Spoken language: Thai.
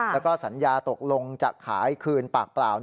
แล้วก็สัญญาตกลงจะขายคืนปากเปล่า